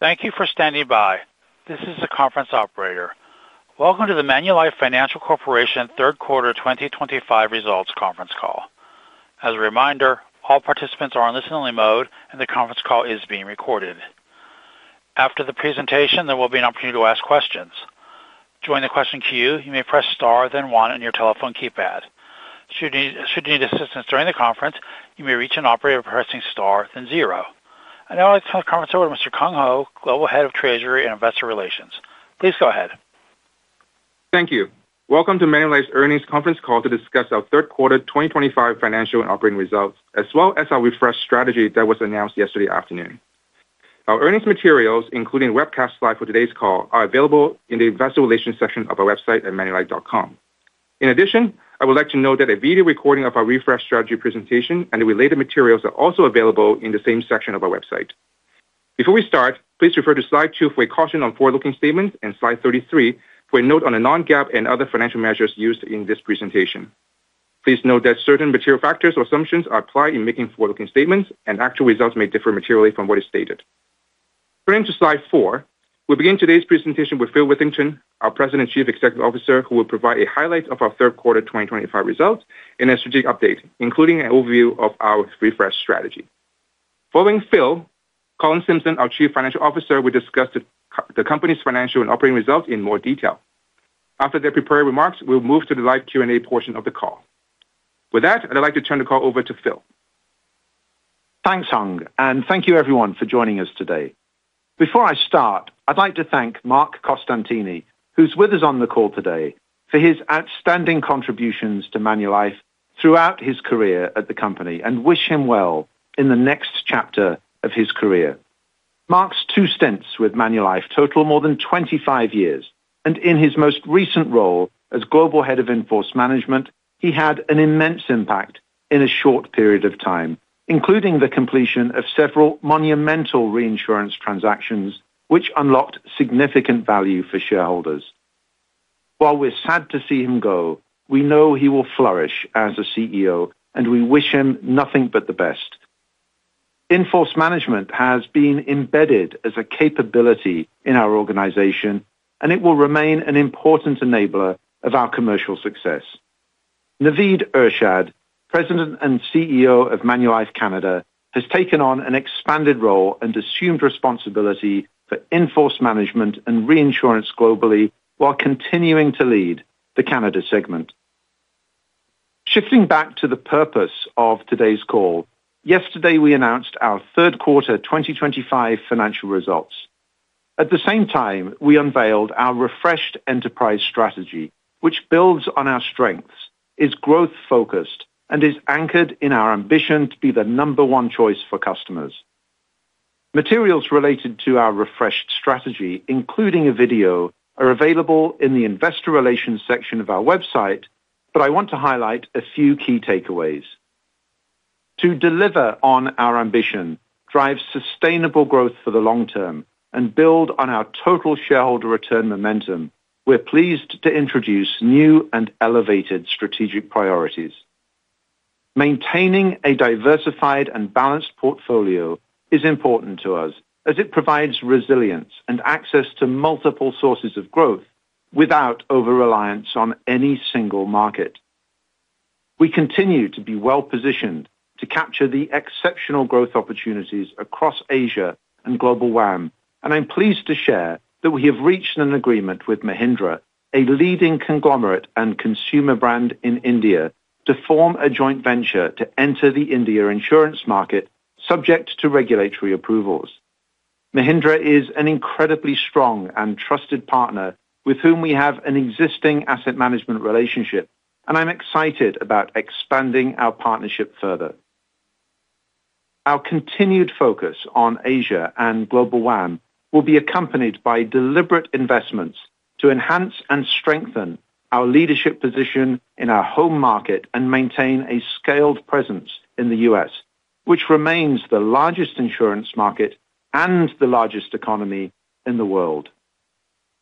Thank you for standing by. This is the conference operator. Welcome to the Manulife Financial Corporation third quarter 2025 results conference call. As a reminder, all participants are on listen-only mode, and the conference call is being recorded. After the presentation, there will be an opportunity to ask questions. To join the question queue, you may press star, then one, on your telephone keypad. Should you need assistance during the conference, you may reach an operator by pressing star, then zero. I now would like to turn the conference over to Mr. Hung Ko, Global Head of Treasury and Investor Relations. Please go ahead. Thank you. Welcome to Manulife's earnings conference call to discuss our third quarter 2025 financial and operating results, as well as our refreshed strategy that was announced yesterday afternoon. Our earnings materials, including a webcast slide for today's call, are available in the Investor Relations section of our website at manulife.com. In addition, I would like to note that a video recording of our refreshed strategy presentation and the related materials are also available in the same section of our website. Before we start, please refer to slide two for a caution on forward-looking statements and slide 33 for a note on the Non-GAAP and other financial measures used in this presentation. Please note that certain material factors or assumptions are applied in making forward-looking statements, and actual results may differ materially from what is stated. Turning to slide four, we'll begin today's presentation with Phil Witherington, our President and Chief Executive Officer, who will provide a highlight of our third quarter 2025 results and a strategic update, including an overview of our refreshed strategy. Following Phil, Colin Simpson, our Chief Financial Officer, will discuss the company's financial and operating results in more detail. After their prepared remarks, we'll move to the live Q&A portion of the call. With that, I'd like to turn the call over to Phil. Thanks, Hung, and thank you, everyone, for joining us today. Before I start, I'd like to thank Marc Costantini, who's with us on the call today, for his outstanding contributions to Manulife throughout his career at the company, and wish him well in the next chapter of his career. Marc's two stints with Manulife total more than 25 years, and in his most recent role as Global Head of Inforce Management, he had an immense impact in a short period of time, including the completion of several monumental reinsurance transactions, which unlocked significant value for shareholders. While we're sad to see him go, we know he will flourish as a CEO, and we wish him nothing but the best. Inforce Management has been embedded as a capability in our organization, and it will remain an important enabler of our commercial success. Naveed Irshad, President and CEO of Manulife Canada, has taken on an expanded role and assumed responsibility for Inforce Management and reinsurance globally while continuing to lead the Canada segment. Shifting back to the purpose of today's call, yesterday we announced our third quarter 2025 financial results. At the same time, we unveiled our refreshed enterprise strategy, which builds on our strengths, is growth-focused, and is anchored in our ambition to be the number one choice for customers. Materials related to our refreshed strategy, including a video, are available in the Investor Relations section of our website, but I want to highlight a few key takeaways. To deliver on our ambition, drive sustainable growth for the long term, and build on our total shareholder return momentum, we're pleased to introduce new and elevated strategic priorities. Maintaining a diversified and balanced portfolio is important to us, as it provides resilience and access to multiple sources of growth without over-reliance on any single market. We continue to be well-positioned to capture the exceptional growth opportunities across Asia and Global WAM, and I'm pleased to share that we have reached an agreement with Mahindra, a leading conglomerate and consumer brand in India, to form a joint venture to enter the India insurance market, subject to regulatory approvals. Mahindra is an incredibly strong and trusted partner with whom we have an existing asset management relationship, and I'm excited about expanding our partnership further. Our continued focus on Asia and Global WAM will be accompanied by deliberate investments to enhance and strengthen our leadership position in our home market and maintain a scaled presence in the U.S., which remains the largest insurance market and the largest economy in the world.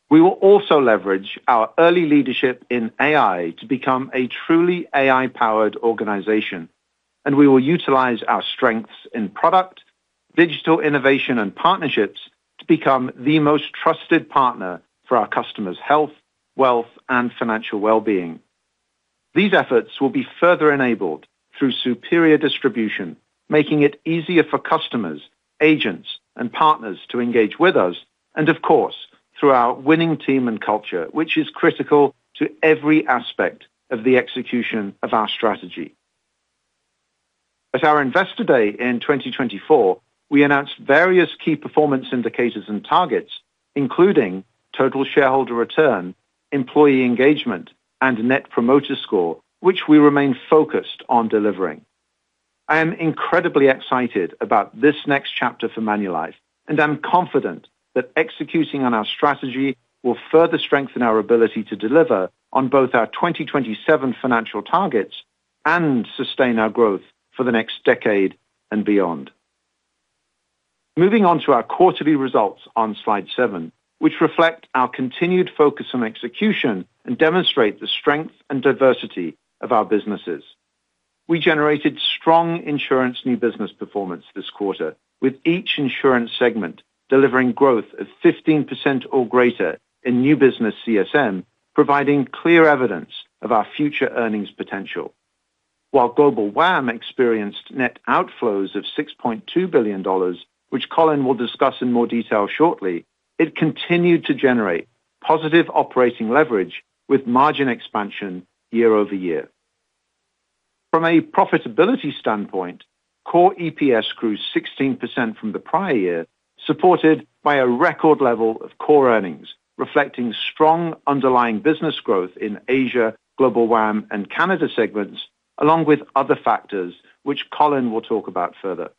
We will also leverage our early leadership in AI to become a truly AI-powered organization, and we will utilize our strengths in product, digital innovation, and partnerships to become the most trusted partner for our customers' health, wealth, and financial well-being. These efforts will be further enabled through superior distribution, making it easier for customers, agents, and partners to engage with us, and of course, through our winning team and culture, which is critical to every aspect of the execution of our strategy. At our Investor Day in 2024, we announced various key performance indicators and targets, including total shareholder return, employee engagement, and net promoter score, which we remain focused on delivering. I am incredibly excited about this next chapter for Manulife, and I'm confident that executing on our strategy will further strengthen our ability to deliver on both our 2027 financial targets and sustain our growth for the next decade and beyond. Moving on to our quarterly results on slide seven, which reflect our continued focus on execution and demonstrate the strength and diversity of our businesses. We generated strong insurance new business performance this quarter, with each insurance segment delivering growth of 15% or greater in new business CSM, providing clear evidence of our future earnings potential. While Global WAM experienced net outflows of $6.2 billion, which Colin will discuss in more detail shortly, it continued to generate positive operating leverage with margin expansion year-over-year. From a profitability standpoint, core EPS grew 16% from the prior year, supported by a record level of core earnings, reflecting strong underlying business growth in Asia, Global WAM, and Canada segments, along with other factors, which Colin will talk about further.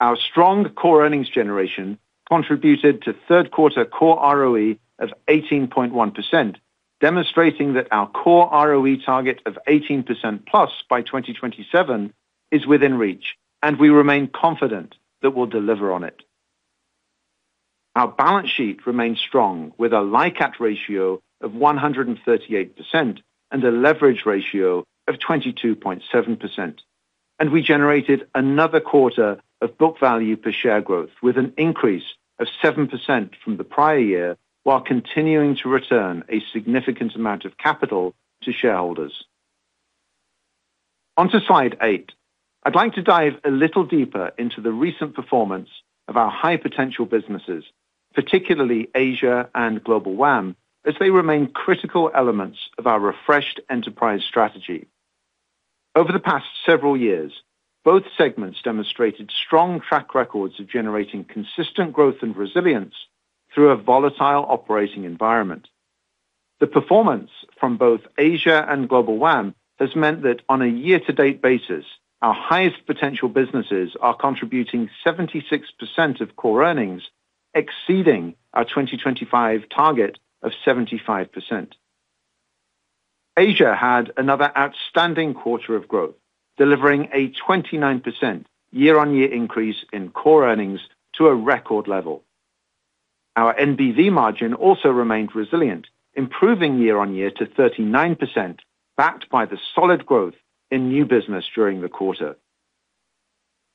Our strong core earnings generation contributed to third quarter core ROE of 18.1%, demonstrating that our core ROE target of 18%+ by 2027 is within reach, and we remain confident that we'll deliver on it. Our balance sheet remained strong with a LICAT ratio of 138% and a leverage ratio of 22.7%, and we generated another quarter of book value per share growth with an increase of 7% from the prior year, while continuing to return a significant amount of capital to shareholders. Onto slide eight, I'd like to dive a little deeper into the recent performance of our high-potential businesses, particularly Asia and Global WAM, as they remain critical elements of our refreshed enterprise strategy. Over the past several years, both segments demonstrated strong track records of generating consistent growth and resilience through a volatile operating environment. The performance from both Asia and Global WAM has meant that on a year-to-date basis, our highest potential businesses are contributing 76% of core earnings, exceeding our 2025 target of 75%. Asia had another outstanding quarter of growth, delivering a 29% year-on-year increase in core earnings to a record level. Our NBV margin also remained resilient, improving year-on-year to 39%, backed by the solid growth in new business during the quarter.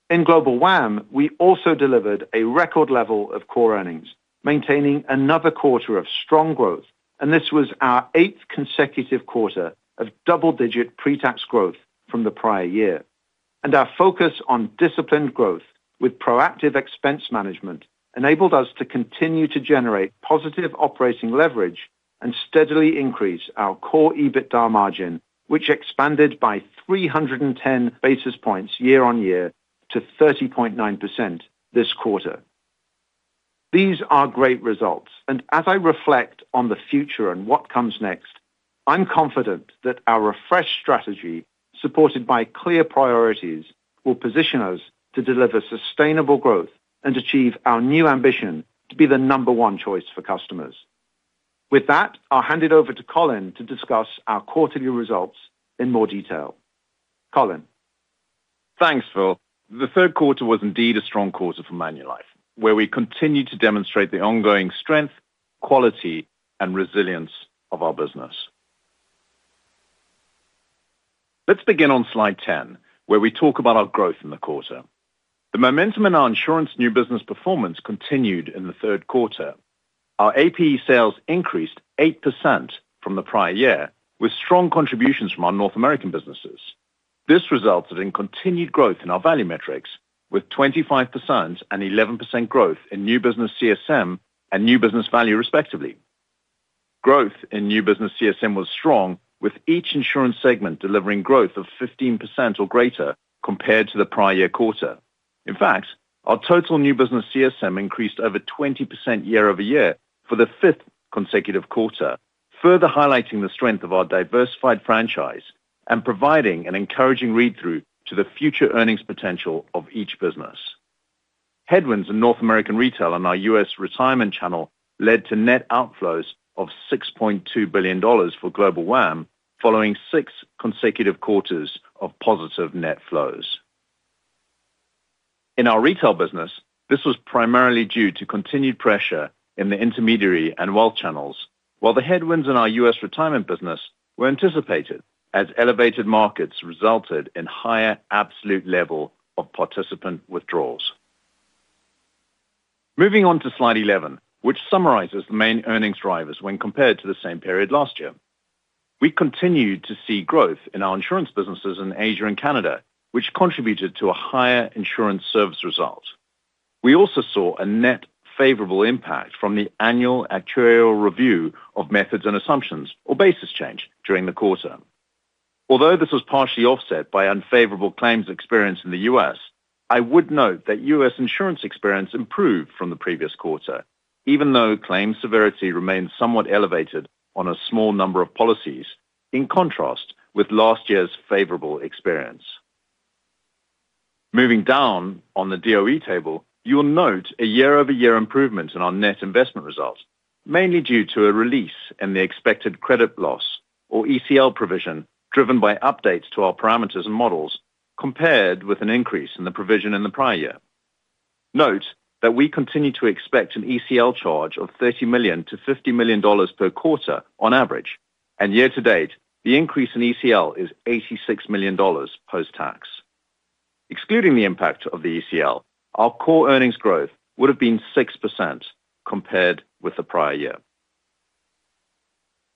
In Global WAM, we also delivered a record level of core earnings, maintaining another quarter of strong growth, and this was our eighth consecutive quarter of double-digit pre-tax growth from the prior year. Our focus on disciplined growth with proactive expense management enabled us to continue to generate positive operating leverage and steadily increase our core EBITDA margin, which expanded by 310 basis points year-on-year to 30.9% this quarter. These are great results, and as I reflect on the future and what comes next, I'm confident that our refreshed strategy, supported by clear priorities, will position us to deliver sustainable growth and achieve our new ambition to be the number one choice for customers. With that, I'll hand it over to Colin to discuss our quarterly results in more detail. Colin. Thanks, Phil. The third quarter was indeed a strong quarter for Manulife, where we continued to demonstrate the ongoing strength, quality, and resilience of our business. Let's begin on slide 10, where we talk about our growth in the quarter. The momentum in our insurance new business performance continued in the third quarter. Our APE sales increased 8% from the prior year, with strong contributions from our North American businesses. This resulted in continued growth in our value metrics, with 25% and 11% growth in new business CSM and new business value, respectively. Growth in new business CSM was strong, with each insurance segment delivering growth of 15% or greater compared to the prior year quarter. In fact, our total new business CSM increased over 20% year-over-year for the fifth consecutive quarter, further highlighting the strength of our diversified franchise and providing an encouraging read-through to the future earnings potential of each business. Headwinds in North American retail on our U.S. retirement channel led to net outflows of $6.2 billion for Global WAM, following six consecutive quarters of positive net flows. In our retail business, this was primarily due to continued pressure in the intermediary and wealth channels, while the headwinds in our U.S. retirement business were anticipated, as elevated markets resulted in higher absolute level of participant withdrawals. Moving on to slide 11, which summarizes the main earnings drivers when compared to the same period last year. We continued to see growth in our insurance businesses in Asia and Canada, which contributed to a higher insurance service result. We also saw a net favorable impact from the annual actuarial review of methods and assumptions, or basis change, during the quarter. Although this was partially offset by unfavorable claims experience in the U.S., I would note that U.S. insurance experience improved from the previous quarter, even though claim severity remained somewhat elevated on a small number of policies, in contrast with last year's favorable experience. Moving down on the DOE table, you will note a year-over-year improvement in our net investment result, mainly due to a release in the expected credit loss, or ECL provision, driven by updates to our parameters and models, compared with an increase in the provision in the prior year. Note that we continue to expect an ECL charge of $30 million-$50 million per quarter on average, and year-to-date, the increase in ECL is $86 million post-tax. Excluding the impact of the ECL, our core earnings growth would have been 6% compared with the prior year.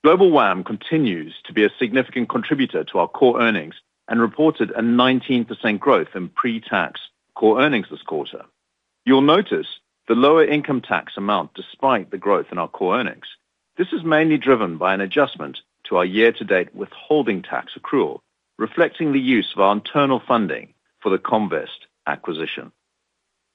Global WAM continues to be a significant contributor to our core earnings and reported a 19% growth in pre-tax core earnings this quarter. You'll notice the lower income tax amount despite the growth in our core earnings. This is mainly driven by an adjustment to our year-to-date withholding tax accrual, reflecting the use of our internal funding for the Comvest acquisition.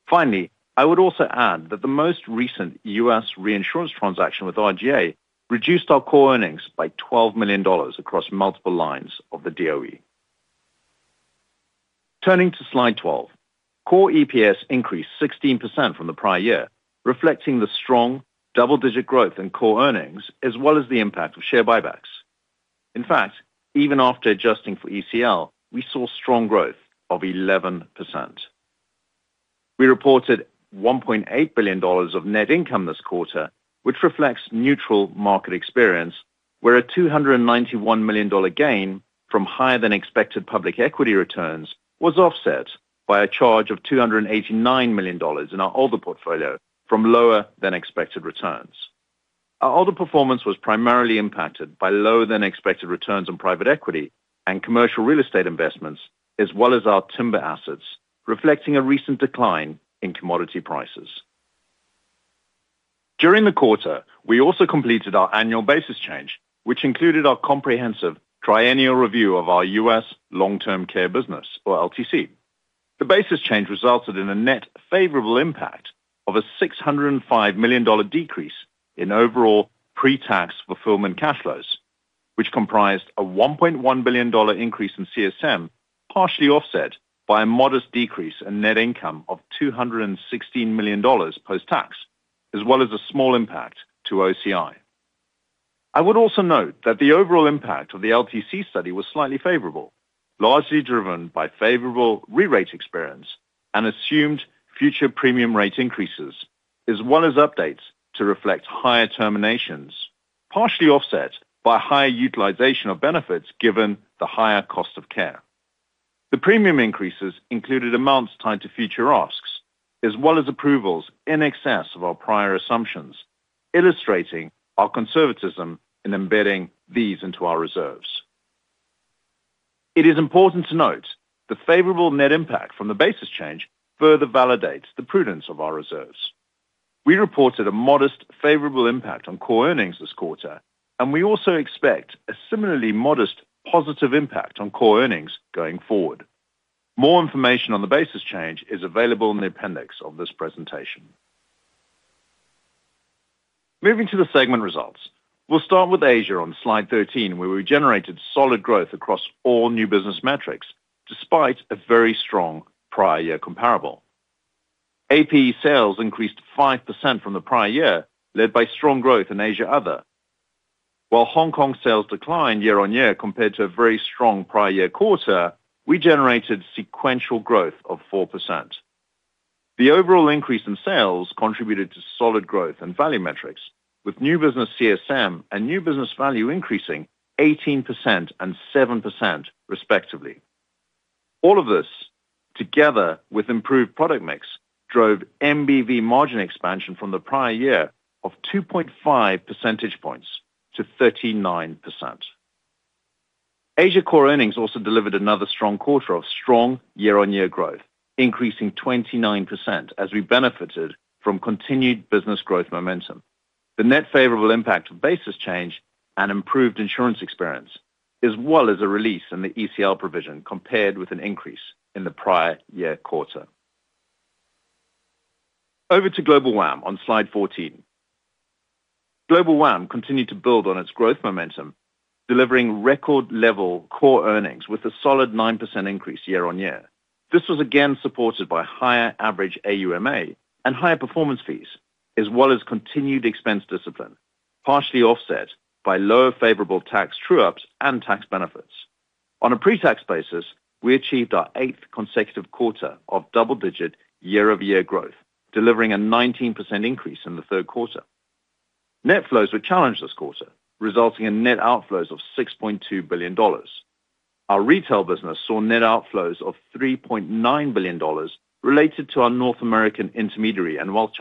Finally, I would also add that the most recent U.S. reinsurance transaction with RGA reduced our core earnings by $12 million across multiple lines of the DOE. Turning to slide 12, core EPS increased 16% from the prior year, reflecting the strong double-digit growth in core earnings, as well as the impact of share buybacks. In fact, even after adjusting for ECL, we saw strong growth of 11%. We reported $1.8 billion of net income this quarter, which reflects neutral market experience, where a $291 million gain from higher-than-expected public equity returns was offset by a charge of $289 million in our older portfolio from lower-than-expected returns. Our older performance was primarily impacted by lower-than-expected returns on private equity and commercial real estate investments, as well as our timber assets, reflecting a recent decline in commodity prices. During the quarter, we also completed our annual basis change, which included our comprehensive triennial review of our U.S. long-term care business, or LTC. The basis change resulted in a net favorable impact of a $605 million decrease in overall pre-tax fulfillment cash flows, which comprised a $1.1 billion increase in CSM, partially offset by a modest decrease in net income of $216 million post-tax, as well as a small impact to OCI. I would also note that the overall impact of the LTC study was slightly favorable, largely driven by favorable re-rate experience and assumed future premium rate increases, as well as updates to reflect higher terminations, partially offset by higher utilization of benefits given the higher cost of care. The premium increases included amounts tied to future asks, as well as approvals in excess of our prior assumptions, illustrating our conservatism in embedding these into our reserves. It is important to note the favorable net impact from the basis change further validates the prudence of our reserves. We reported a modest favorable impact on core earnings this quarter, and we also expect a similarly modest positive impact on core earnings going forward. More information on the basis change is available in the appendix of this presentation. Moving to the segment results, we'll start with Asia on slide 13, where we generated solid growth across all new business metrics, despite a very strong prior year comparable. APE sales increased 5% from the prior year, led by strong growth in Asia Other. While Hong Kong sales declined year-on-year compared to a very strong prior year quarter, we generated sequential growth of 4%. The overall increase in sales contributed to solid growth in value metrics, with new business CSM and new business value increasing 18% and 7%, respectively. All of this, together with improved product mix, drove NBV margin expansion from the prior year of 2.5 percentage points to 39%. Asia core earnings also delivered another strong quarter of strong year-on-year growth, increasing 29% as we benefited from continued business growth momentum. The net favorable impact of basis change and improved insurance experience, as well as a release in the ECL provision compared with an increase in the prior year quarter. Over to Global WAM on slide 14. Global WAM continued to build on its growth momentum, delivering record-level core earnings with a solid 9% increase year-on-year. This was again supported by higher average AUMA and higher performance fees, as well as continued expense discipline, partially offset by lower favorable tax true-ups and tax benefits. On a pre-tax basis, we achieved our eighth consecutive quarter of double-digit year-over-year growth, delivering a 19% increase in the third quarter. Net flows were challenged this quarter, resulting in net outflows of $6.2 billion. Our retail business saw net outflows of $3.9 billion related to our North American intermediary and wealth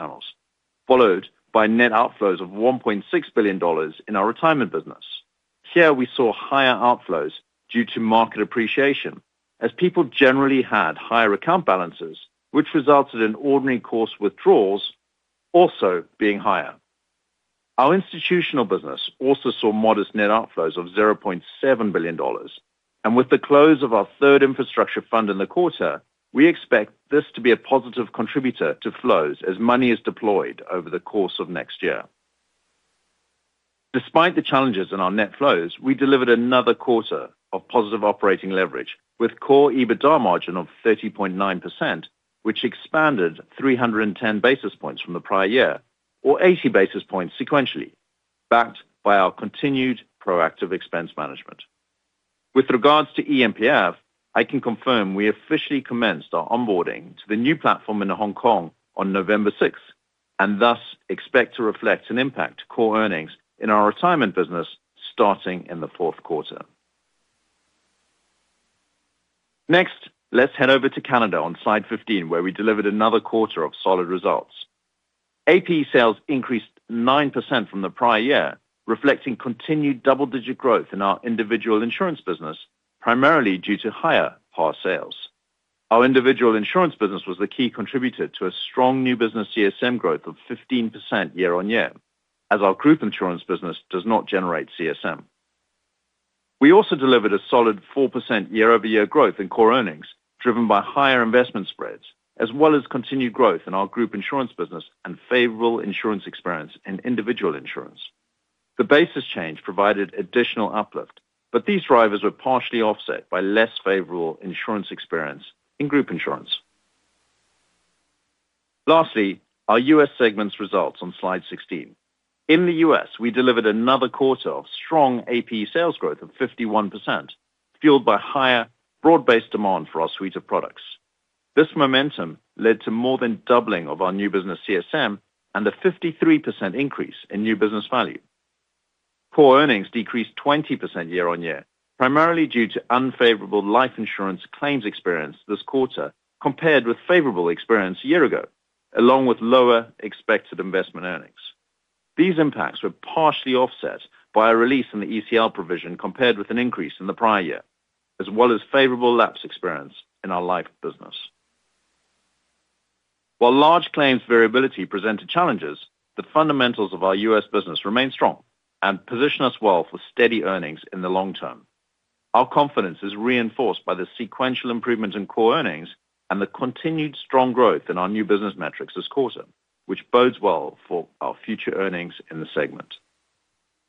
channels, followed by net outflows of $1.6 billion in our retirement business. Here, we saw higher outflows due to market appreciation, as people generally had higher account balances, which resulted in ordinary course withdrawals also being higher. Our institutional business also saw modest net outflows of $0.7 billion, and with the close of our third infrastructure fund in the quarter, we expect this to be a positive contributor to flows as money is deployed over the course of next year. Despite the challenges in our net flows, we delivered another quarter of positive operating leverage, with core EBITDA margin of 30.9%, which expanded 310 basis points from the prior year, or 80 basis points sequentially, backed by our continued proactive expense management. With regards to EMPF, I can confirm we officially commenced our onboarding to the new platform in Hong Kong on November 6, and thus expect to reflect an impact to core earnings in our retirement business starting in the fourth quarter. Next, let's head over to Canada on slide 15, where we delivered another quarter of solid results. APE sales increased 9% from the prior year, reflecting continued double-digit growth in our individual insurance business, primarily due to higher par sales. Our individual insurance business was the key contributor to a strong new business CSM growth of 15% year-on-year, as our group insurance business does not generate CSM. We also delivered a solid 4% year-over-year growth in core earnings, driven by higher investment spreads, as well as continued growth in our group insurance business and favorable insurance experience in individual insurance. The basis change provided additional uplift, but these drivers were partially offset by less favorable insurance experience in group insurance. Lastly, our U.S. segment's results on slide 16. In the U.S., we delivered another quarter of strong APE sales growth of 51%, fueled by higher broad-based demand for our suite of products. This momentum led to more than doubling of our new business CSM and a 53% increase in new business value. Core earnings decreased 20% year-on-year, primarily due to unfavorable life insurance claims experience this quarter compared with favorable experience a year ago, along with lower expected investment earnings. These impacts were partially offset by a release in the ECL provision compared with an increase in the prior year, as well as favorable lapse experience in our life business. While large claims variability presented challenges, the fundamentals of our U.S. business remain strong and position us well for steady earnings in the long term. Our confidence is reinforced by the sequential improvement in core earnings and the continued strong growth in our new business metrics this quarter, which bodes well for our future earnings in the segment.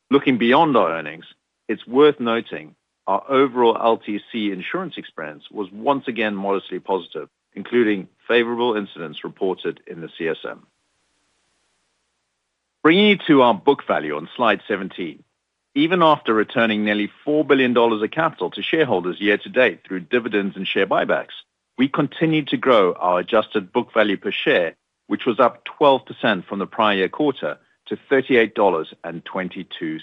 Looking beyond our earnings, it's worth noting our overall LTC insurance experience was once again modestly positive, including favorable incidents reported in the CSM. Bringing you to our book value on slide 17. Even after returning nearly $4 billion of capital to shareholders year-to-date through dividends and share buybacks, we continued to grow our adjusted book value per share, which was up 12% from the prior year quarter to $38.22.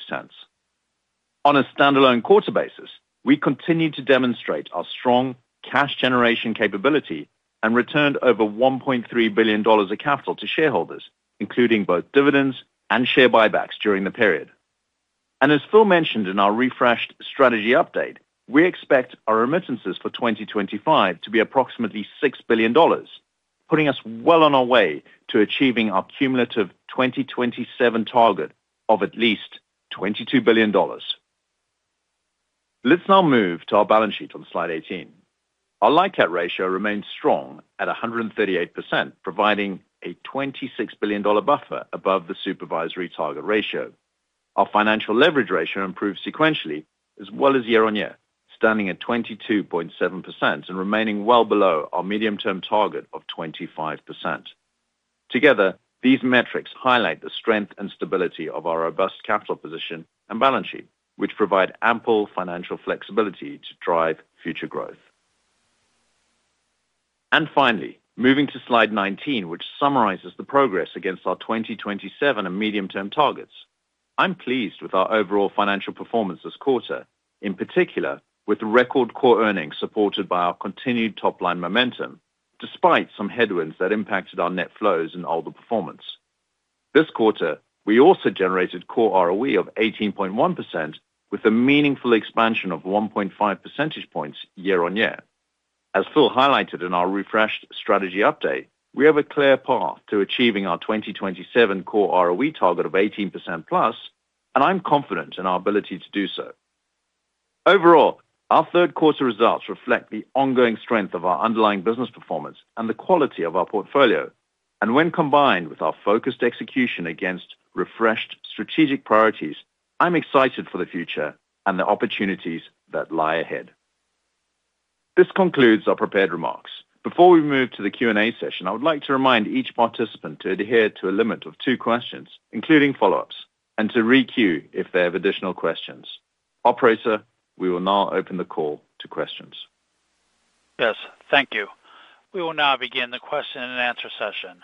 On a standalone quarter basis, we continued to demonstrate our strong cash generation capability and returned over $1.3 billion of capital to shareholders, including both dividends and share buybacks during the period. As Phil mentioned in our refreshed strategy update, we expect our remittances for 2025 to be approximately $6 billion, putting us well on our way to achieving our cumulative 2027 target of at least $22 billion. Let's now move to our balance sheet on slide 18. Our LICAT ratio remains strong at 138%, providing a $26 billion buffer above the supervisory target ratio. Our financial leverage ratio improved sequentially, as well as year-on-year, standing at 22.7% and remaining well below our medium-term target of 25%. Together, these metrics highlight the strength and stability of our robust capital position and balance sheet, which provide ample financial flexibility to drive future growth. Finally, moving to slide 19, which summarizes the progress against our 2027 and medium-term targets. I'm pleased with our overall financial performance this quarter, in particular with record core earnings supported by our continued top-line momentum, despite some headwinds that impacted our net flows and older performance. This quarter, we also generated core ROE of 18.1%, with a meaningful expansion of 1.5 percentage points year-on-year. As Phil highlighted in our refreshed strategy update, we have a clear path to achieving our 2027 core ROE target of 18% plus, and I'm confident in our ability to do so. Overall, our third quarter results reflect the ongoing strength of our underlying business performance and the quality of our portfolio, and when combined with our focused execution against refreshed strategic priorities, I'm excited for the future and the opportunities that lie ahead. This concludes our prepared remarks. Before we move to the Q&A session, I would like to remind each participant to adhere to a limit of two questions, including follow-ups, and to re-queue if they have additional questions. Operator, we will now open the call to questions. Yes, thank you. We will now begin the question and answer session.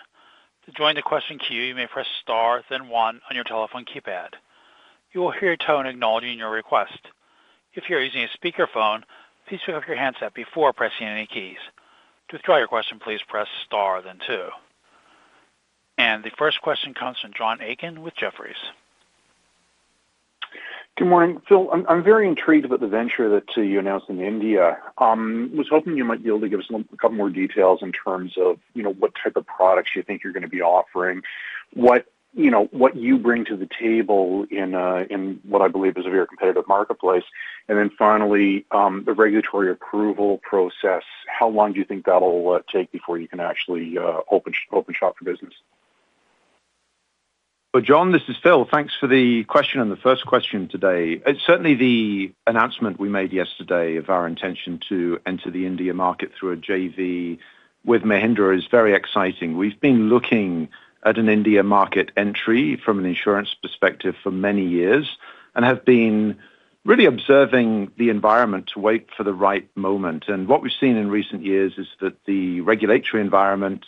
To join the question queue, you may press star, then one on your telephone keypad. You will hear a tone acknowledging your request. If you're using a speakerphone, please pick up your handset before pressing any keys. To withdraw your question, please press star, then two. The first question comes from John Aiken with Jefferies. Good morning, Phil. I'm very intrigued about the venture that you announced in India. I was hoping you might be able to give us a couple more details in terms of what type of products you think you're going to be offering, what you bring to the table in what I believe is a very competitive marketplace, and then finally, the regulatory approval process. How long do you think that'll take before you can actually open shop for business? John, this is Phil. Thanks for the question and the first question today. Certainly, the announcement we made yesterday of our intention to enter the India market through a JV with Mahindra is very exciting. We've been looking at an India market entry from an insurance perspective for many years and have been really observing the environment to wait for the right moment. What we've seen in recent years is that the regulatory environment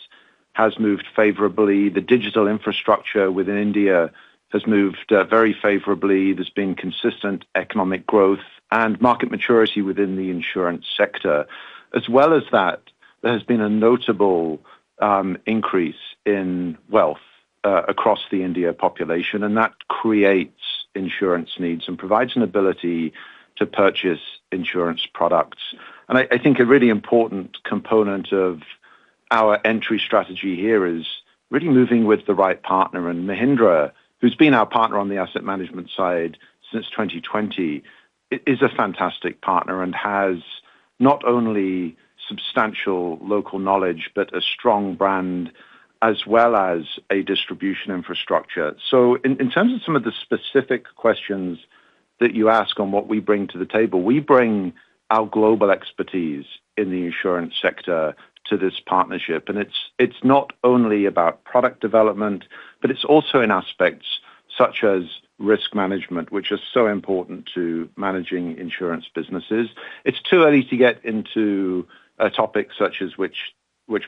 has moved favorably. The digital infrastructure within India has moved very favorably. There has been consistent economic growth and market maturity within the insurance sector. As well as that, there has been a notable increase in wealth across the India population, and that creates insurance needs and provides an ability to purchase insurance products. I think a really important component of our entry strategy here is really moving with the right partner. Mahindra, who has been our partner on the asset management side since 2020, is a fantastic partner and has not only substantial local knowledge but a strong brand as well as a distribution infrastructure. In terms of some of the specific questions that you ask on what we bring to the table, we bring our global expertise in the insurance sector to this partnership. It is not only about product development, but it is also in aspects such as risk management, which is so important to managing insurance businesses. It is too early to get into a topic such as which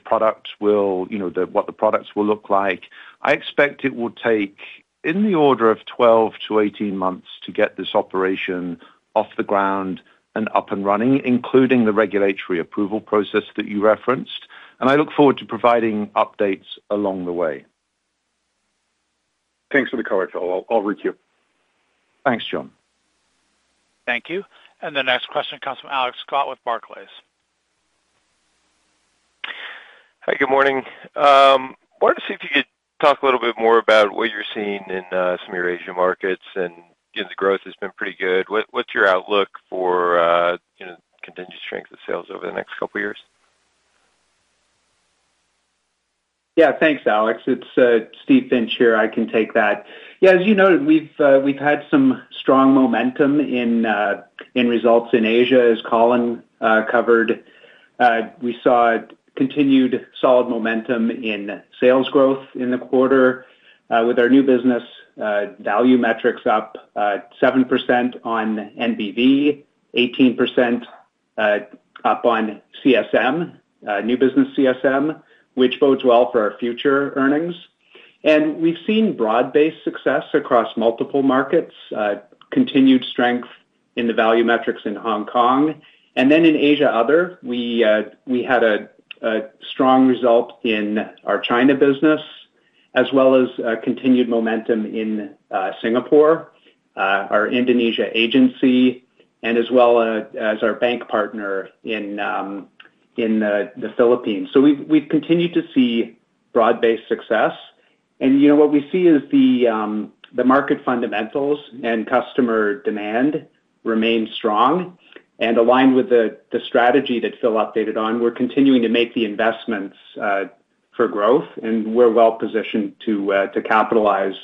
products will, what the products will look like. I expect it will take in the order of 12-18 months to get this operation off the ground and up and running, including the regulatory approval process that you referenced. I look forward to providing updates along the way. Thanks for the call, Phil. I will re-queue. Thanks, John. Thank you. The next question comes from Alex Scott with Barclays. Hi, good morning. I wanted to see if you could talk a little bit more about what you are seeing in some of your Asia markets and the growth has been pretty good. What's your outlook for continued strength of sales over the next couple of years? Yeah, thanks, Alex. It's Steve Finch here. I can take that. Yeah, as you noted, we've had some strong momentum in results in Asia, as Colin covered. We saw continued solid momentum in sales growth in the quarter with our new business value metrics up 7% on NBV, 18% up on CSM, new business CSM, which bodes well for our future earnings. We have seen broad-based success across multiple markets, continued strength in the value metrics in Hong Kong. In Asia Other, we had a strong result in our China business, as well as continued momentum in Singapore, our Indonesia agency, and our bank partner in the Philippines. We have continued to see broad-based success. What we see is the market fundamentals and customer demand remain strong. Aligned with the strategy that Phil updated on, we're continuing to make the investments for growth, and we're well positioned to capitalize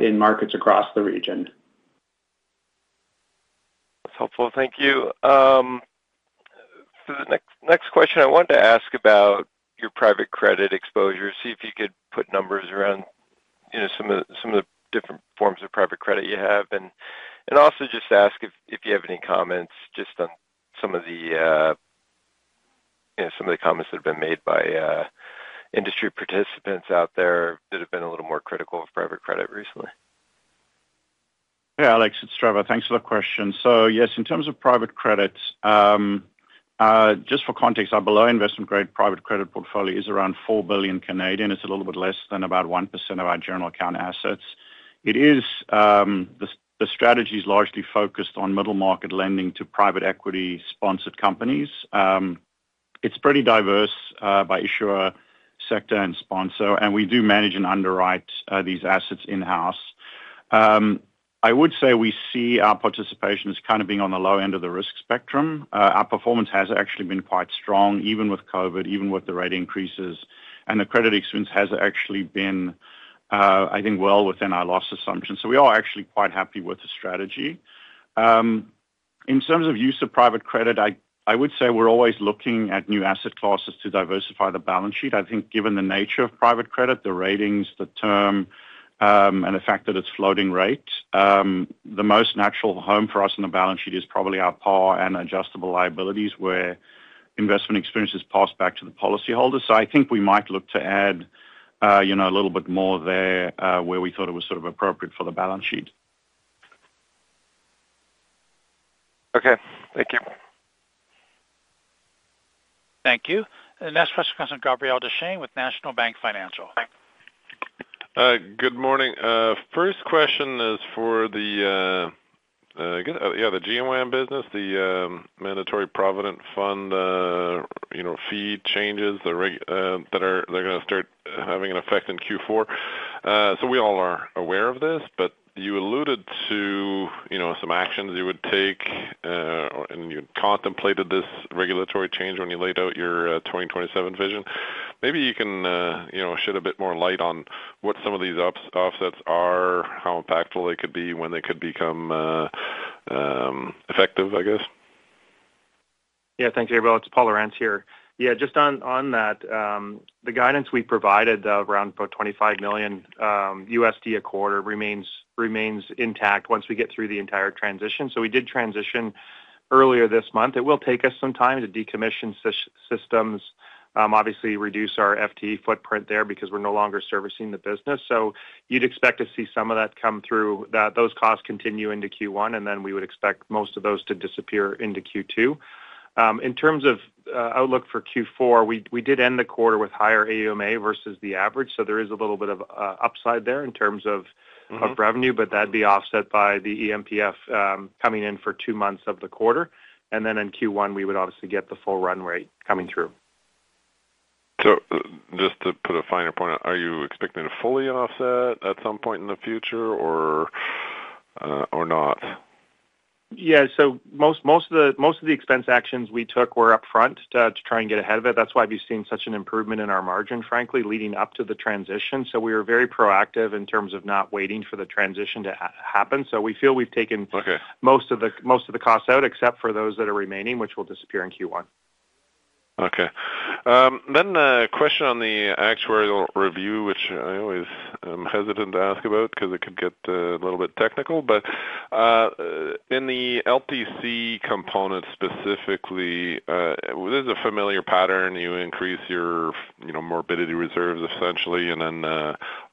in markets across the region. That's helpful. Thank you. For the next question, I wanted to ask about your private credit exposure, see if you could put numbers around some of the different forms of private credit you have, and also just ask if you have any comments just on some of the comments that have been made by industry participants out there that have been a little more critical of private credit recently. Yeah, Alex, it's Trevor. Thanks for the question. Yes, in terms of private credit, just for context, our below-investment-grade private credit portfolio is around 4 billion. It's a little bit less than about 1% of our general account assets. The strategy is largely focused on middle-market lending to private equity-sponsored companies. It's pretty diverse by issuer, sector, and sponsor, and we do manage and underwrite these assets in-house. I would say we see our participation as kind of being on the low end of the risk spectrum. Our performance has actually been quite strong, even with COVID, even with the rate increases, and the credit experience has actually been, I think, well within our loss assumptions. We are actually quite happy with the strategy. In terms of use of private credit, I would say we're always looking at new asset classes to diversify the balance sheet. I think given the nature of private credit, the ratings, the term, and the fact that it's floating rate, the most natural home for us in the balance sheet is probably our PAR and adjustable liabilities where investment experience is passed back to the policyholder. I think we might look to add a little bit more there where we thought it was sort of appropriate for the balance sheet. Okay, thank you. Thank you. The next question comes from Gabriel Dechaine with National Bank Financial. Good morning. First question is for the, yeah, the GWAM business, the mandatory provident fund fee changes that are going to start having an effect in Q4. We all are aware of this, but you alluded to some actions you would take and you contemplated this regulatory change when you laid out your 2027 vision. Maybe you can shed a bit more light on what some of these offsets are, how impactful they could be, when they could become effective, I guess. Yeah, thank you, everyone. It's Paul Lorentz here. Yeah, just on that, the guidance we provided around about $25 million a quarter remains intact once we get through the entire transition. We did transition earlier this month. It will take us some time to decommission systems, obviously reduce our FTE footprint there because we're no longer servicing the business. You'd expect to see some of that come through, those costs continue into Q1, and then we would expect most of those to disappear into Q2. In terms of outlook for Q4, we did end the quarter with higher AUMA versus the average, so there is a little bit of upside there in terms of revenue, but that'd be offset by the EMPF coming in for two months of the quarter. In Q1, we would obviously get the full run rate coming through. Just to put a finer point, are you expecting to fully offset at some point in the future or not? Yeah, most of the expense actions we took were upfront to try and get ahead of it. That is why we have seen such an improvement in our margin, frankly, leading up to the transition. We were very proactive in terms of not waiting for the transition to happen. We feel we have taken most of the costs out except for those that are remaining, which will disappear in Q1. Okay. A question on the actuarial review, which I always am hesitant to ask about because it could get a little bit technical. In the LTC component specifically, there is a familiar pattern. You increase your morbidity reserves essentially and then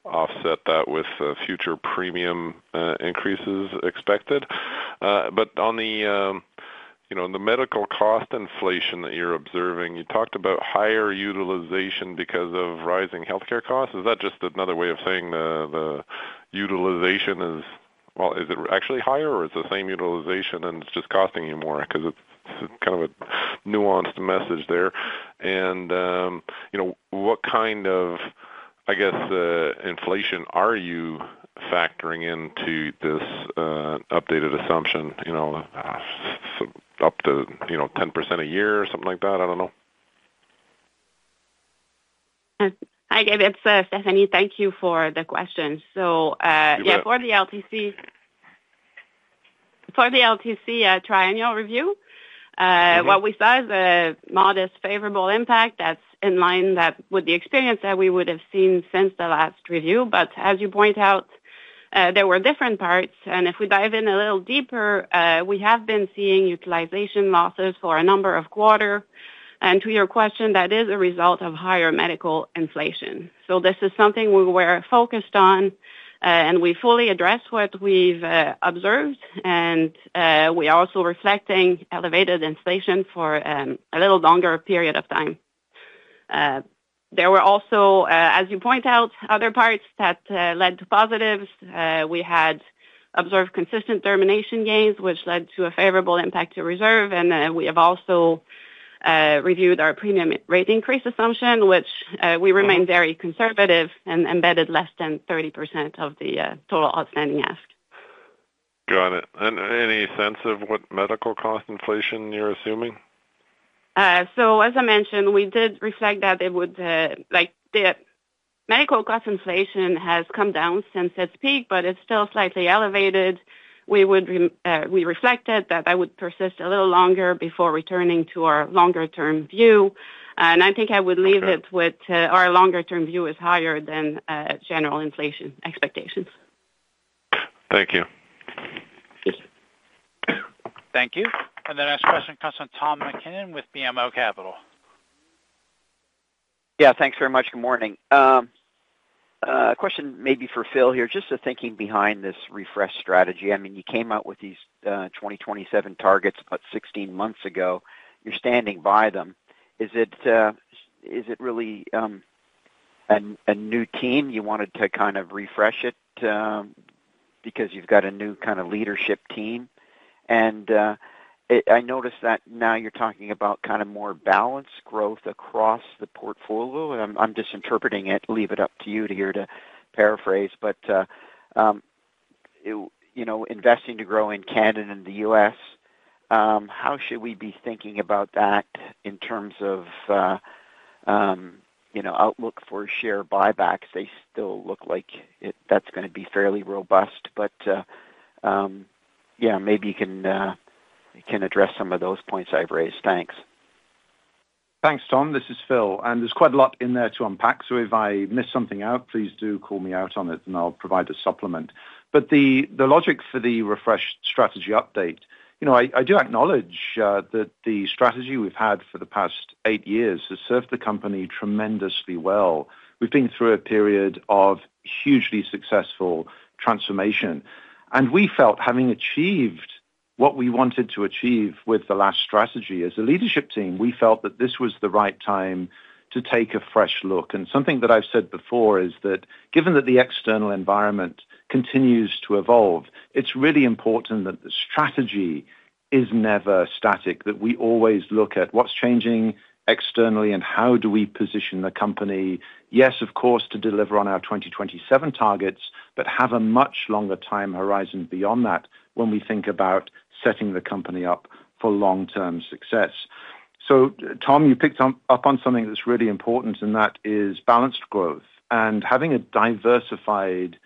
offset that with future premium increases expected. On the medical cost inflation that you're observing, you talked about higher utilization because of rising healthcare costs. Is that just another way of saying the utilization is, well, is it actually higher or it's the same utilization and it's just costing you more? Because it's kind of a nuanced message there. What kind of, I guess, inflation are you factoring into this updated assumption? Up to 10% a year or something like that? I don't know. Hi, Gabriel. This is Stephanie. Thank you for the question. Yeah, for the LTC triennial review, what we saw is a modest favorable impact that's in line with the experience that we would have seen since the last review. As you point out, there were different parts. If we dive in a little deeper, we have been seeing utilization losses for a number of quarters. To your question, that is a result of higher medical inflation. This is something we were focused on, and we fully addressed what we've observed, and we are also reflecting elevated inflation for a little longer period of time. There were also, as you point out, other parts that led to positives. We had observed consistent termination gains, which led to a favorable impact to reserve. We have also reviewed our premium rate increase assumption, which we remain very conservative and embedded less than 30% of the total outstanding ask. Got it. Any sense of what medical cost inflation you're assuming? As I mentioned, we did reflect that it would, the medical cost inflation has come down since its peak, but it's still slightly elevated. We reflected that that would persist a little longer before returning to our longer-term view. I think I would leave it with our longer-term view is higher than general inflation expectations. Thank you. Thank you. The next question comes from Tom MacKinnon with BMO Capital. Yeah, thanks very much. Good morning. Question maybe for Phil here, just the thinking behind this refresh strategy. I mean, you came out with these 2027 targets about 16 months ago. You're standing by them. Is it really a new team? You wanted to kind of refresh it because you've got a new kind of leadership team. I noticed that now you're talking about kind of more balanced growth across the portfolio. I'm just interpreting it. Leave it up to you here to paraphrase. But investing to grow in Canada and the U.S., how should we be thinking about that in terms of outlook for share buybacks? They still look like that's going to be fairly robust. Yeah, maybe you can address some of those points I've raised. Thanks. Thanks, Tom. This is Phil. There's quite a lot in there to unpack. If I miss something out, please do call me out on it, and I'll provide a supplement. The logic for the refresh strategy update, I do acknowledge that the strategy we've had for the past eight years has served the company tremendously well. We've been through a period of hugely successful transformation. We felt having achieved what we wanted to achieve with the last strategy as a leadership team, we felt that this was the right time to take a fresh look. Something that I've said before is that given that the external environment continues to evolve, it's really important that the strategy is never static, that we always look at what's changing externally and how do we position the company. Yes, of course, to deliver on our 2027 targets, but have a much longer time horizon beyond that when we think about setting the company up for long-term success. Tom, you picked up on something that's really important, and that is balanced growth. Having a diversified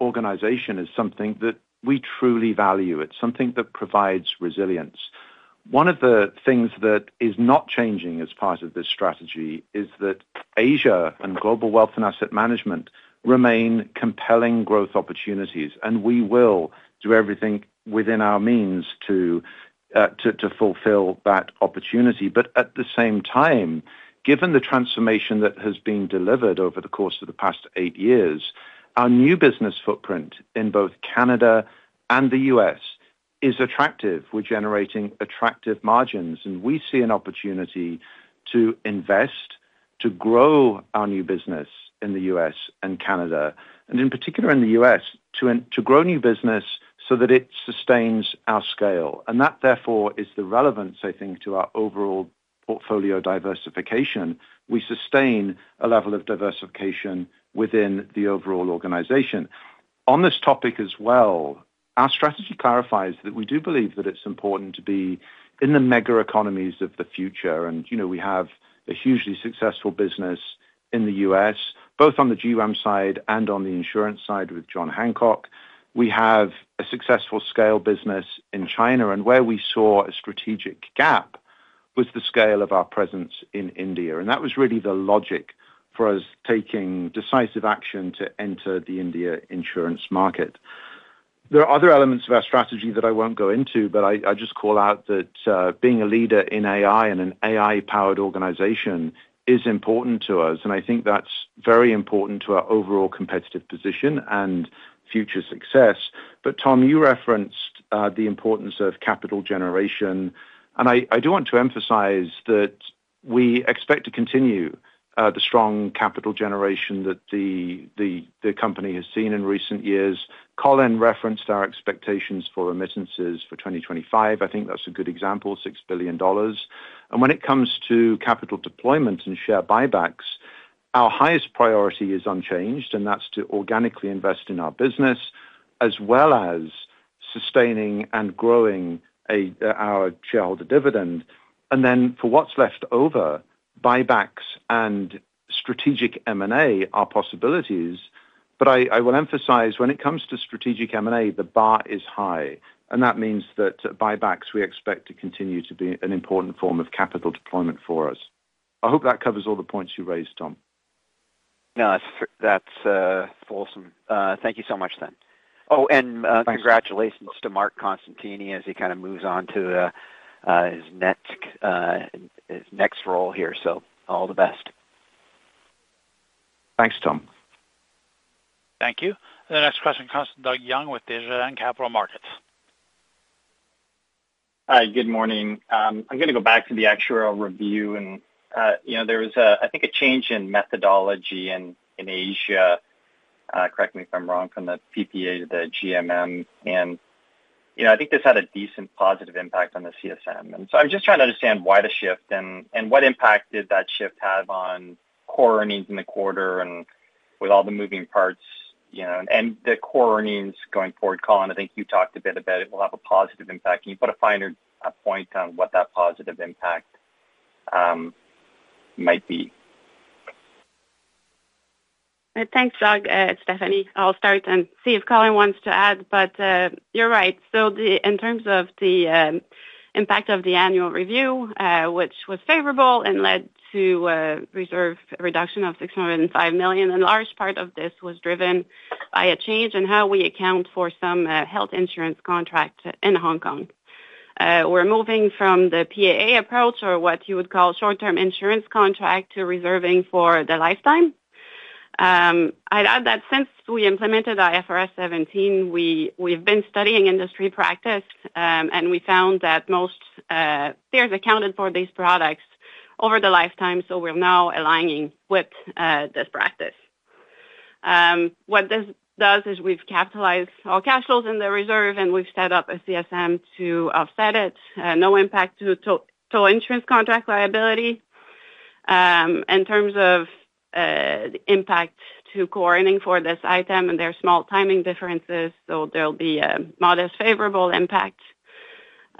organization is something that we truly value. It's something that provides resilience. One of the things that is not changing as part of this strategy is that Asia and global wealth and asset management remain compelling growth opportunities. We will do everything within our means to fulfill that opportunity. At the same time, given the transformation that has been delivered over the course of the past eight years, our new business footprint in both Canada and the U.S. is attractive. We're generating attractive margins. We see an opportunity to invest, to grow our new business in the U.S. and Canada, and in particular in the U.S., to grow new business so that it sustains our scale. That, therefore, is the relevance, I think, to our overall portfolio diversification. We sustain a level of diversification within the overall organization. On this topic as well, our strategy clarifies that we do believe that it's important to be in the mega economies of the future. We have a hugely successful business in the U.S., both on the GWAM side and on the insurance side with John Hancock. We have a successful scale business in China. Where we saw a strategic gap was the scale of our presence in India. That was really the logic for us taking decisive action to enter the India insurance market. There are other elements of our strategy that I won't go into, but I just call out that being a leader in AI and an AI-powered organization is important to us. I think that's very important to our overall competitive position and future success. Tom, you referenced the importance of capital generation. I do want to emphasize that we expect to continue the strong capital generation that the company has seen in recent years. Colin referenced our expectations for remittances for 2025. I think that's a good example, $6 billion. When it comes to capital deployment and share buybacks, our highest priority is unchanged, and that is to organically invest in our business as well as sustaining and growing our shareholder dividend. For what is left over, buybacks and strategic M&A are possibilities. I will emphasize when it comes to strategic M&A, the bar is high. That means that buybacks we expect to continue to be an important form of capital deployment for us. I hope that covers all the points you raised, Tom. No, that is awesome. Thank you so much then. Oh, and congratulations to Marc Costantini as he kind of moves on to his next role here. All the best. Thanks, Tom. Thank you. The next question comes from Doug Young with Desjardins Capital Markets. Hi, good morning. I am going to go back to the actuarial review. There was, I think, a change in methodology in Asia. Correct me if I'm wrong, from the PAA to the GMM. I think this had a decent positive impact on the CSM. I'm just trying to understand why the shift and what impact that shift had on core earnings in the quarter and with all the moving parts and the core earnings going forward. Colin, I think you talked a bit about it will have a positive impact. Can you put a finer point on what that positive impact might be? Thanks, Doug, Stephanie. I'll start and see if Colin wants to add, but you're right. In terms of the impact of the annual review, which was favorable and led to a reserve reduction of $605 million, a large part of this was driven by a change in how we account for some health insurance contract in Hong Kong. We're moving from the PAA approach or what you would call short-term insurance contract to reserving for the lifetime. I'd add that since we implemented IFRS 17, we've been studying industry practice, and we found that most peers accounted for these products over the lifetime. We're now aligning with this practice. What this does is we've capitalized all cash flows in the reserve, and we've set up a CSM to offset it. No impact to total insurance contract liability. In terms of impact to core earning for this item and there are small timing differences, so there'll be a modest favorable impact.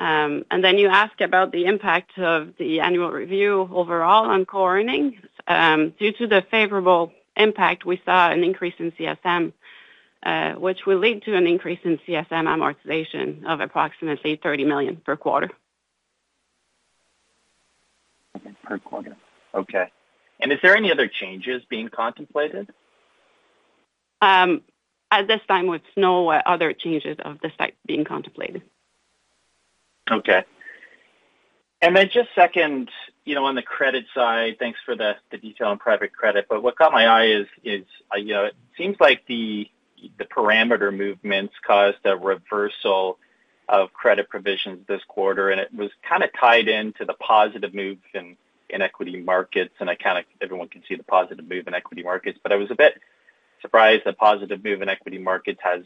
You ask about the impact of the annual review overall on core earning. Due to the favorable impact, we saw an increase in CSM, which will lead to an increase in CSM amortization of approximately $30 million per quarter. Per quarter. Okay. Is there any other changes being contemplated? At this time, with no other changes of the site being contemplated. Okay. Just second on the credit side, thanks for the detail on private credit. What caught my eye is it seems like the parameter movements caused a reversal of credit provisions this quarter. It was kind of tied into the positive move in equity markets. I kind of everyone can see the positive move in equity markets.I was a bit surprised the positive move in equity markets has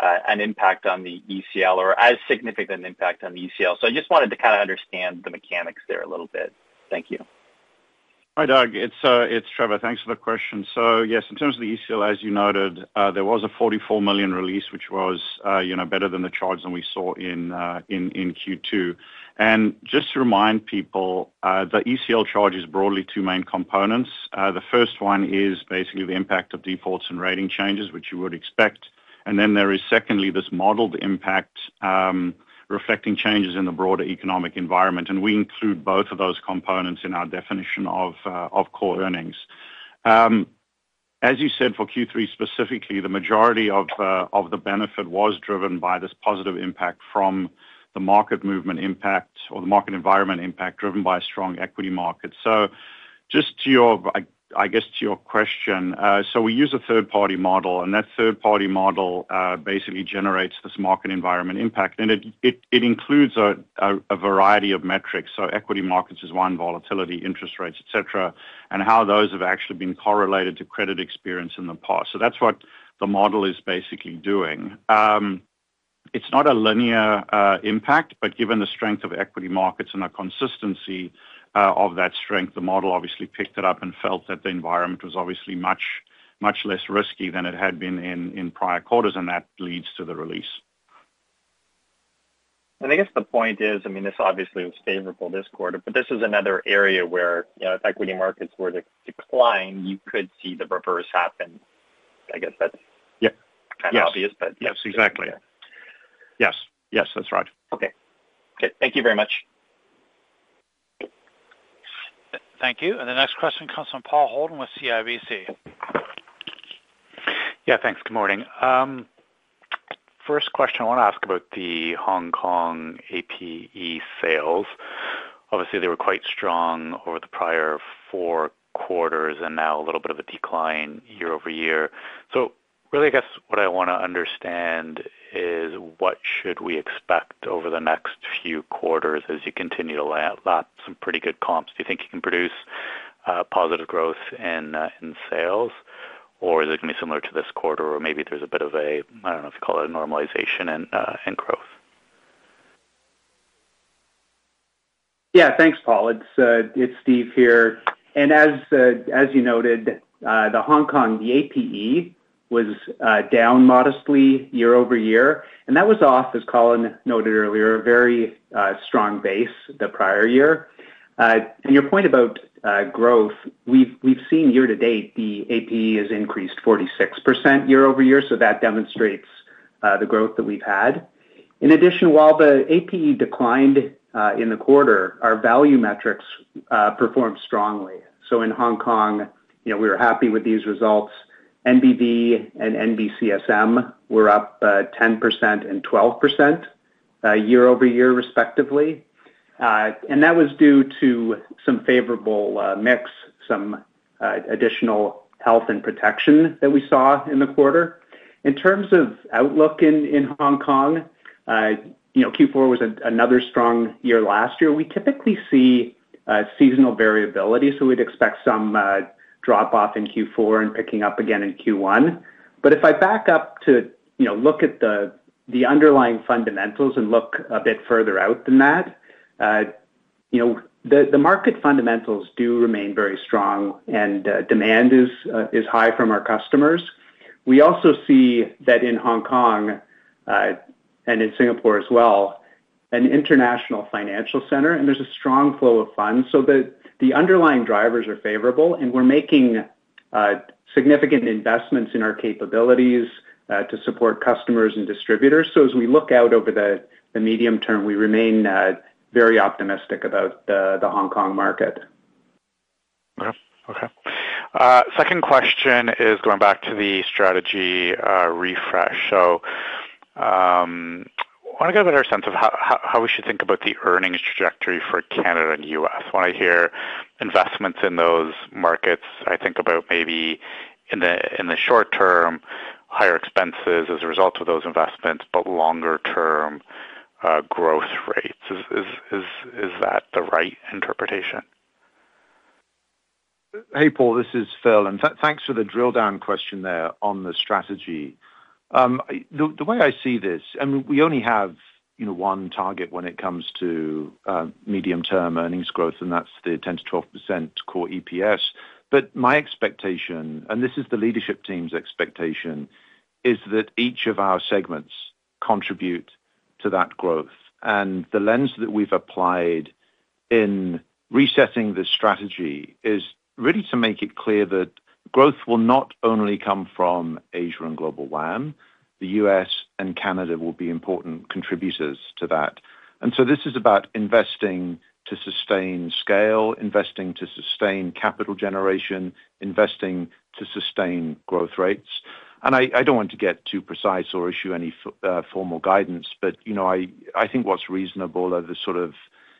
an impact on the ECL or as significant an impact on the ECL. I just wanted to kind of understand the mechanics there a little bit. Thank you. Hi, Doug. It's Trevor. Thanks for the question. Yes, in terms of the ECL, as you noted, there was a $44 million release, which was better than the charge we saw in Q2. Just to remind people, the ECL charge is broadly two main components. The first one is basically the impact of defaults and rating changes, which you would expect. There is secondly this modeled impact reflecting changes in the broader economic environment. We include both of those components in our definition of core earnings. As you said, for Q3 specifically, the majority of the benefit was driven by this positive impact from the market movement impact or the market environment impact driven by strong equity markets. Just to your, I guess, to your question, we use a third-party model. That third-party model basically generates this market environment impact. It includes a variety of metrics. Equity markets is one, volatility, interest rates, etc., and how those have actually been correlated to credit experience in the past. That is what the model is basically doing. It is not a linear impact, but given the strength of equity markets and the consistency of that strength, the model obviously picked it up and felt that the environment was obviously much less risky than it had been in prior quarters. That leads to the release. I guess the point is, I mean, this obviously was favorable this quarter, but this is another area where if equity markets were to decline, you could see the reverse happen. I guess that's kind of obvious, but yes. Yes, exactly. Yes. Yes, that's right. Okay. Thank you very much. Thank you. The next question comes from Paul Holden with CIBC. Yeah, thanks. Good morning. First question I want to ask about the Hong Kong APE sales. Obviously, they were quite strong over the prior four quarters and now a little bit of a decline year-over-year. So really, I guess what I want to understand is what should we expect over the next few quarters as you continue to lap some pretty good comps? Do you think you can produce positive growth in sales, or is it going to be similar to this quarter, or maybe there's a bit of a, I don't know if you call it a normalization in growth? Yeah, thanks, Paul. It's Steve here. As you noted, the Hong Kong APE was down modestly year-over-year. That was off, as Colin noted earlier, a very strong base the prior year. Your point about growth, we've seen year to date the APE has increased 46% year-over-year. That demonstrates the growth that we've had. In addition, while the APE declined in the quarter, our value metrics performed strongly. In Hong Kong, we were happy with these results. NBV and NBCSM were up 10% and 12% year-over-year, respectively. That was due to some favorable mix, some additional health and protection that we saw in the quarter. In terms of outlook in Hong Kong, Q4 was another strong year last year. We typically see seasonal variability. We would expect some drop-off in Q4 and picking up again in Q1. If I back up to look at the underlying fundamentals and look a bit further out than that, the market fundamentals do remain very strong and demand is high from our customers. We also see that in Hong Kong and in Singapore as well, an international financial center, and there is a strong flow of funds. The underlying drivers are favorable, and we are making significant investments in our capabilities to support customers and distributors. As we look out over the medium term, we remain very optimistic about the Hong Kong market. Okay. Second question is going back to the strategy refresh. I want to get a better sense of how we should think about the earnings trajectory for Canada and the U.S. I want to hear investments in those markets, I think about maybe in the short term, higher expenses as a result of those investments, but longer-term growth rates. Is that the right interpretation? Hey, Paul, this is Phil. Thanks for the drill-down question there on the strategy. The way I see this, I mean, we only have one target when it comes to medium-term earnings growth, and that's the 10%-12% core EPS. My expectation, and this is the leadership team's expectation, is that each of our segments contribute to that growth. The lens that we have applied in resetting the strategy is really to make it clear that growth will not only come from Asia and Global WAM. The U.S. and Canada will be important contributors to that. This is about investing to sustain scale, investing to sustain capital generation, investing to sustain growth rates. I do not want to get too precise or issue any formal guidance, but I think what is reasonable are the sort of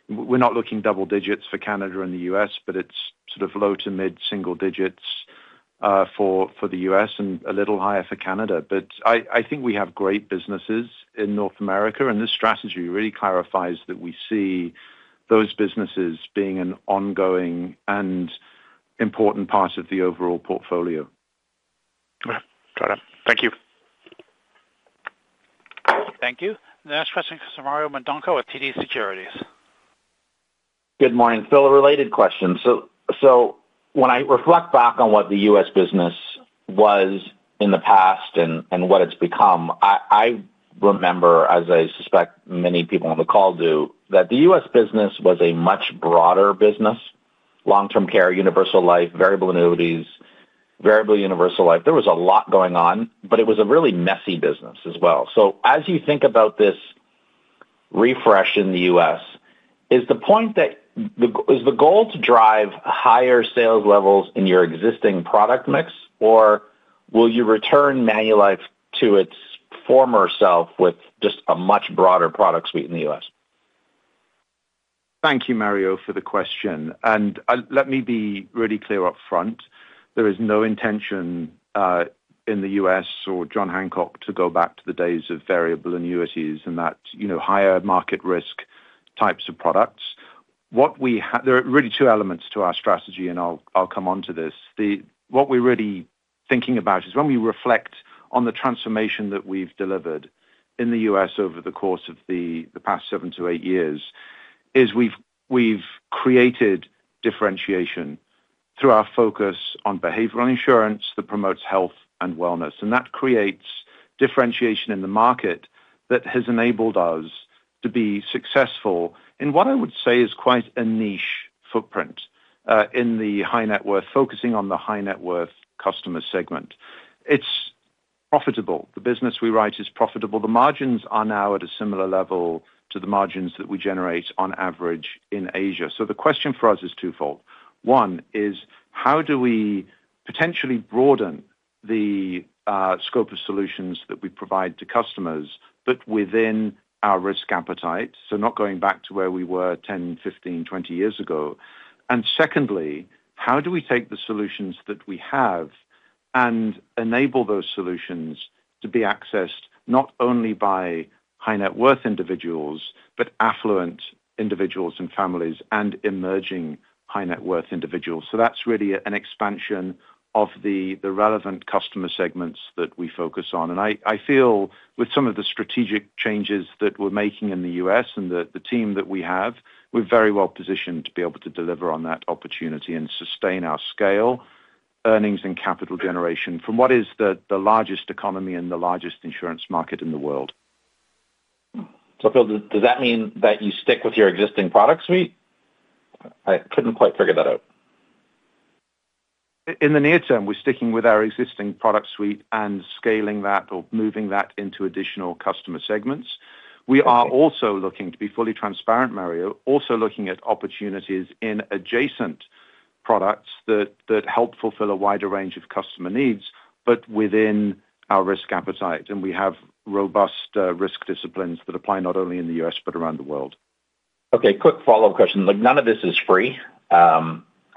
we are not looking double digits for Canada and the U.S., but it is sort of low to mid single digits for the U.S. and a little higher for Canada. I think we have great businesses in North America, and this strategy really clarifies that we see those businesses being an ongoing and important part of the overall portfolio. Okay. Got it. Thank you. Thank you. The next question comes from Mario Mendonca with TD Securities. Good morning. Phil, a related question. When I reflect back on what the U.S. business was in the past and what it has become, I remember, as I suspect many people on the call do, that the U.S. business was a much broader business: long-term care, universal life, variable annuities, variable universal life. There was a lot going on, but it was a really messy business as well. As you think about this refresh in the U.S., is the point that the goal is to drive higher sales levels in your existing product mix, or will you return Manulife to its former self with just a much broader product suite in the U.S.? Thank you, Mario, for the question. Let me be really clear upfront. There is no intention in the U.S. or John Hancock to go back to the days of variable annuities and that higher market risk types of products. There are really two elements to our strategy, and I'll come on to this. What we're really thinking about is when we reflect on the transformation that we've delivered in the U.S. over the course of the past seven to eight years, is we've created differentiation through our focus on behavioral insurance that promotes health and wellness. That creates differentiation in the market that has enabled us to be successful in what I would say is quite a niche footprint in the high net worth, focusing on the high net worth customer segment. It's profitable. The business we write is profitable. The margins are now at a similar level to the margins that we generate on average in Asia. The question for us is twofold. One is, how do we potentially broaden the scope of solutions that we provide to customers but within our risk appetite? Not going back to where we were 10, 15, 20 years ago. Secondly, how do we take the solutions that we have and enable those solutions to be accessed not only by high net worth individuals, but affluent individuals and families and emerging high net worth individuals? That is really an expansion of the relevant customer segments that we focus on. I feel with some of the strategic changes that we are making in the U.S. and the team that we have, we are very well positioned to be able to deliver on that opportunity and sustain our scale, earnings, and capital generation from what is the largest economy and the largest insurance market in the world. Phil, does that mean that you stick with your existing product suite? I couldn't quite figure that out. In the near term, we're sticking with our existing product suite and scaling that or moving that into additional customer segments. We are also looking to be fully transparent, Mario, also looking at opportunities in adjacent products that help fulfill a wider range of customer needs, but within our risk appetite. We have robust risk disciplines that apply not only in the U.S., but around the world. Okay. Quick follow-up question. None of this is free.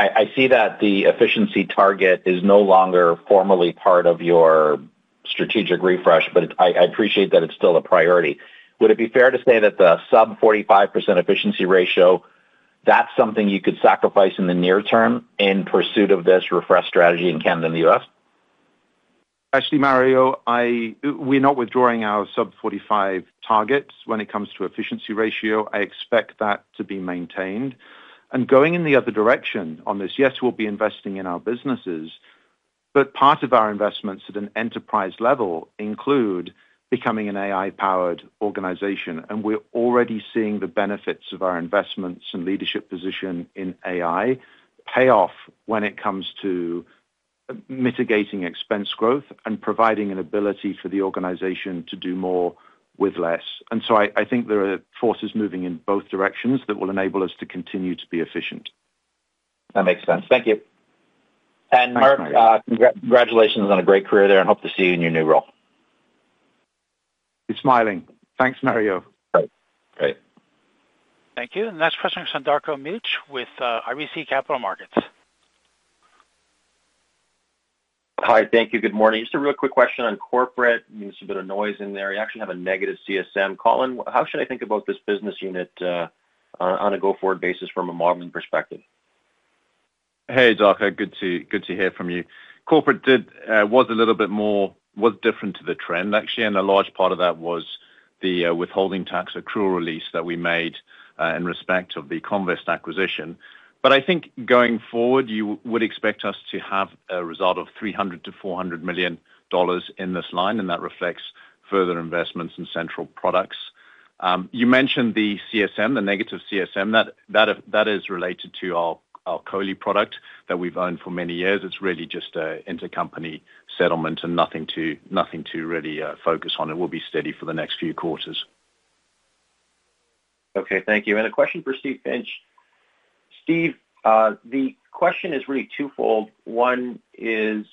I see that the efficiency target is no longer formally part of your strategic refresh, but I appreciate that it's still a priority. Would it be fair to say that the sub 45% efficiency ratio, that's something you could sacrifice in the near term in pursuit of this refresh strategy in Canada and the U.S.? Actually, Mario, we're not withdrawing our sub 45% targets when it comes to efficiency ratio. I expect that to be maintained. Going in the other direction on this, yes, we'll be investing in our businesses, but part of our investments at an enterprise level include becoming an AI-powered organization. We're already seeing the benefits of our investments and leadership position in AI pay off when it comes to mitigating expense growth and providing an ability for the organization to do more with less. I think there are forces moving in both directions that will enable us to continue to be efficient. That makes sense. Thank you. And congratulations on a great career there, and hope to see you in your new role. Smiling. Thanks, Mario. Thank you. The next question comes from Darko Mihelic with RBC Capital Markets. Hi. Thank you. Good morning. Just a real quick question on corporate. There's a bit of noise in there. I actually have a negative CSM. Colin, how should I think about this business unit on a go-forward basis from a modeling perspective Hey, Darko. Good to hear from you. Corporate was a little bit more different to the trend, actually. A large part of that was the withholding tax accrual release that we made in respect of the Comvest acquisition. I think going forward, you would expect us to have a result of $300 million-$400 million in this line, and that reflects further investments in central products. You mentioned the CSM, the negative CSM. That is related to our Coley product that we've owned for many years. It's really just an intercompany settlement and nothing to really focus on. It will be steady for the next few quarters. Okay. Thank you. A question for Steve Finch. Steve, the question is really twofold. One is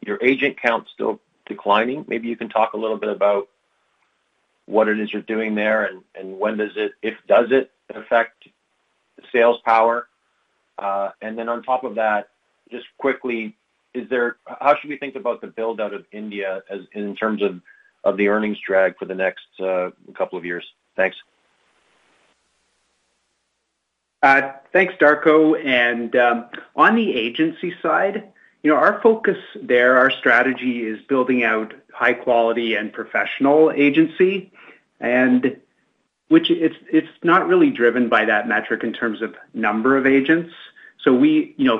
your agent count still declining? Maybe you can talk a little bit about what it is you're doing there and when does it, if does it, affect sales power. On top of that, just quickly, how should we think about the build-out of India in terms of the earnings drag for the next couple of years? Thanks. Thanks, Darko. On the agency side, our focus there, our strategy is building out high-quality and professional agency, which it's not really driven by that metric in terms of number of agents. If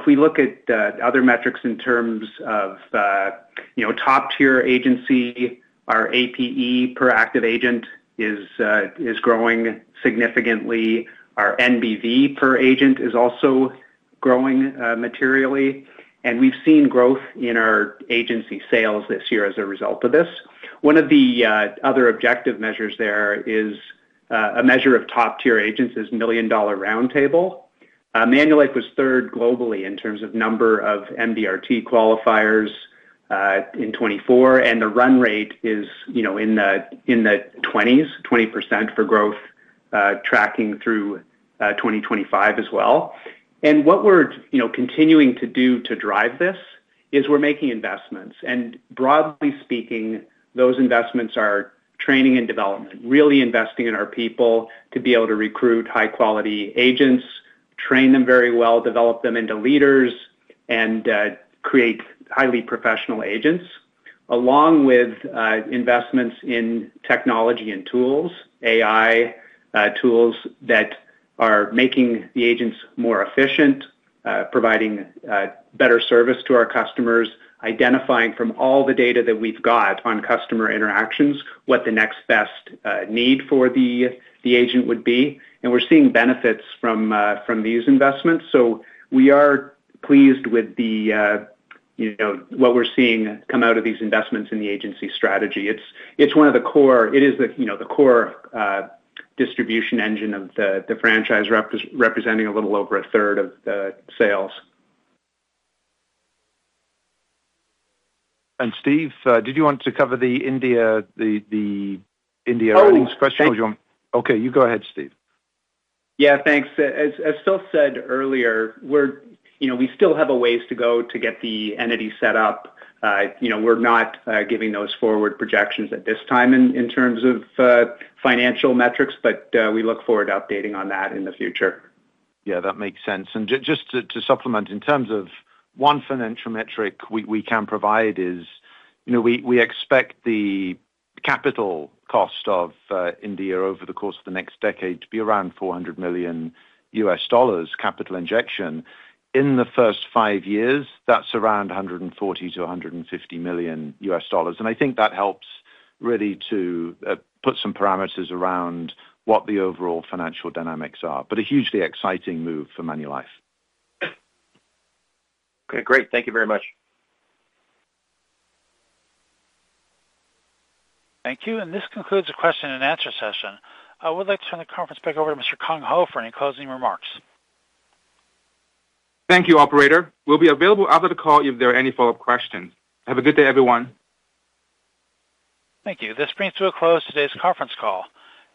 we look at other metrics in terms of top-tier agency, our APE per active agent is growing significantly. Our NBV per agent is also growing materially. We have seen growth in our agency sales this year as a result of this. One of the other objective measures there as a measure of top-tier agents is Million Dollar Round Table. Manulife was third globally in terms of number of MDRT qualifiers in 2024, and the run rate is in the 20s, 20% for growth tracking through 2025 as well. What we are continuing to do to drive this is we are making investments. Broadly speaking, those investments are training and development, really investing in our people to be able to recruit high-quality agents, train them very well, develop them into leaders, and create highly professional agents, along with investments in technology and tools, AI tools that are making the agents more efficient, providing better service to our customers, identifying from all the data that we've got on customer interactions what the next best need for the agent would be. We are seeing benefits from these investments. We are pleased with what we are seeing come out of these investments in the agency strategy. It is one of the core, it is the core distribution engine of the franchise, representing a little over a third of the sales. Steve, did you want to cover the India earnings question, or do you want? Oh, no. Okay. You go ahead, Steve. Yeah. Thanks. As Phil said earlier, we still have a ways to go to get the entity set up. We're not giving those forward projections at this time in terms of financial metrics, but we look forward to updating on that in the future. Yeah. That makes sense. And just to supplement, in terms of one financial metric we can provide is we expect the capital cost of India over the course of the next decade to be around $400 million capital injection. In the first five years, that's around $140 million-$150 million. And I think that helps really to put some parameters around what the overall financial dynamics are. But a hugely exciting move for Manulife. Okay. Great. Thank you very much. Thank you. And this concludes the question-and-answer session. I would like to turn the conference back over to Mr. Hung Ko for closing remarks. Thank you, Operator. We'll be available after the call if there are any follow-up questions. Have a good day, everyone. Thank you. This brings to a close today's conference call.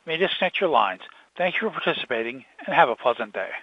May I disconnect your lines? Thank you for participating, and have a pleasant day.